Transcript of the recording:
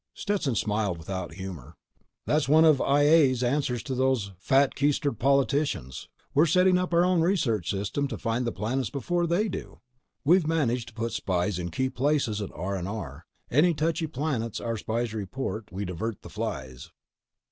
Stetson smiled without humor. "That's one of I A's answers to those fat keistered politicians. We're setting up our own search system to find the planets before they do. We've managed to put spies in key places at R&R. Any touchy planets our spies report, we divert the files."